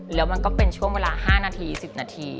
แล้วมันก็เป็นช่วงเวลา๕นาที๑๐นาที